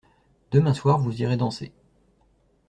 Demain soir vous irez danser.